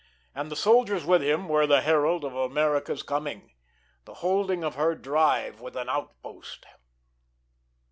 And the soldiers with him were the herald of America's coming the holding of her drive with an outpost.